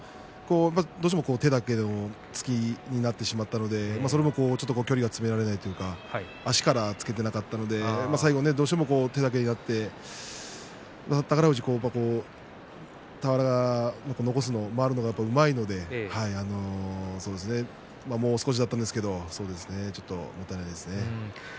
どうしても手だけの突きになってしまったのでその分、距離が詰められないというか足から、いっていなかったのでどうしても最後、手だけになって宝富士、俵で残すのが回るのがうまいのでもう少しだったんですけれどちょっともったいないですね。